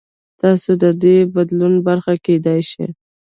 تاسو د دې بدلون برخه کېدای شئ.